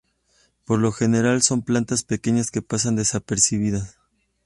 Por lo general, son plantas pequeñas que pasan desapercibidas.